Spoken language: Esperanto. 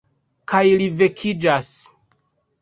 Kaj li vekiĝas.